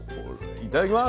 いただきます。